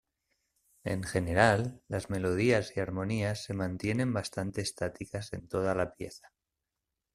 En general, las melodías y armonías se mantienen bastante estáticas en toda la pieza.